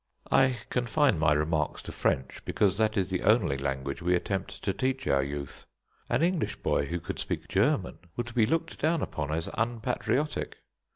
I confine my remarks to French, because that is the only language we attempt to teach our youth. An English boy who could speak German would be looked down upon as unpatriotic.